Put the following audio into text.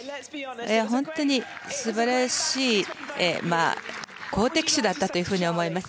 本当に素晴らしい好敵手だったと思います。